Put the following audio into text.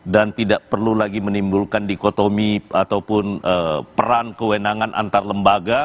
dan tidak perlu lagi menimbulkan dikotomi ataupun peran kewenangan antar lembaga